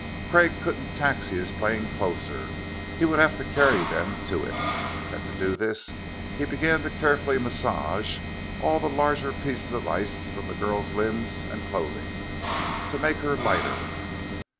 Craig couldn't taxi his plane closer; he would have to carry them to it; and to do this he began to carefully massage all the larger pieces of ice from the girl's limbs and clothing, to make her lighter.